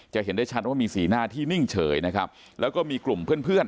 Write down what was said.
เห็นได้ชัดว่ามีสีหน้าที่นิ่งเฉยนะครับแล้วก็มีกลุ่มเพื่อนเพื่อน